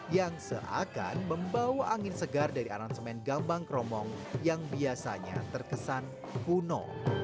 yang seakan membawa angin segar dari aransemen gambang kromong yang biasanya terkesan kuno